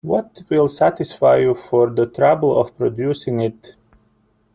What will satisfy you for the trouble of producing it?